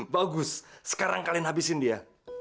bagus sekarang kalian habisin dia